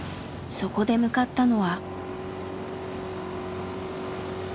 そこで向かったのは。